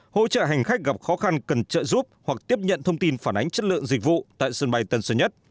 hỗ trợ hành khách gặp khó khăn cần trợ giúp hoặc tiếp nhận thông tin phản ánh chất lượng dịch vụ tại sân bay tân sơn nhất